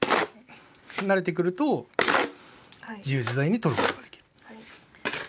慣れてくると自由自在に取ることができる。